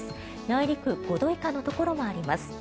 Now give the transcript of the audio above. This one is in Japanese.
内陸部５度以下のところもあります。